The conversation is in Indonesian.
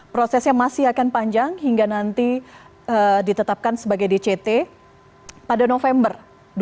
prosesnya masih akan panjang hingga nanti ditetapkan sebagai dct pada november dua ribu dua puluh